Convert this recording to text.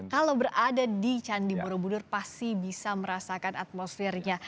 kalau berada di candi borobudur pasti bisa merasakan atmosfernya